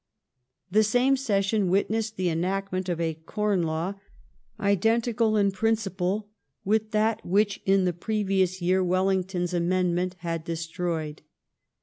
The same session witnessed the enactment of a Corn Law, com identical in principle with that which in the previous year Well La\ys : ington's amendment had destroyed.